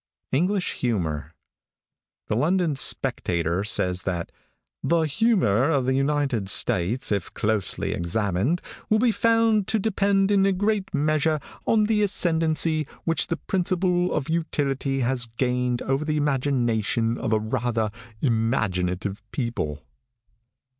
ENGLISH HUMOR |THE London Spectator says that "the humor of the United States, if closely examined, will be found to depend in a great measure on the ascendancy which the principle of utility has gained over the imaginations of a rather imaginative people."